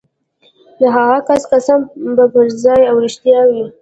د هغه کس قسم به پرځای او رښتیا وي.